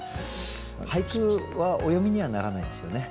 俳句はお詠みにはならないですよね？